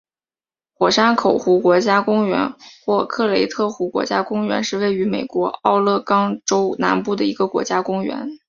火山口湖国家公园或克雷特湖国家公园是位于美国奥勒冈州南部的一个国家公园。